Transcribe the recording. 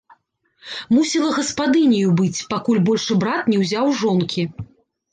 Мусіла гаспадыняю быць, пакуль большы брат не ўзяў жонкі.